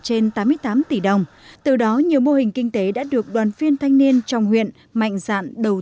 trên tám mươi tám tỷ đồng từ đó nhiều mô hình kinh tế đã được đoàn phiên thanh niên trong huyện mạnh dạn đầu